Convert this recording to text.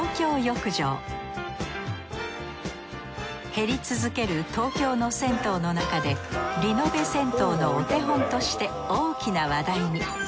減り続ける東京の銭湯の中でリノベ銭湯のお手本として大きな話題に。